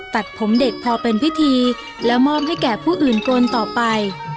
ตัดผมเด็กพอเป็นพิธีแล้วมอบให้แก่ผู้อื่นโกนต่อไป